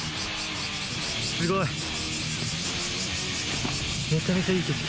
すごいめちゃめちゃいい景色。